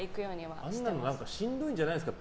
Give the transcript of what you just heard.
あんなのしんどいんじゃないですか？